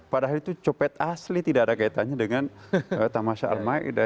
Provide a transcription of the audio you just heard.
padahal itu copet asli tidak ada kaitannya dengan tamasha al maida